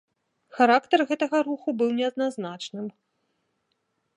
Характар гэтага руху быў неадназначным.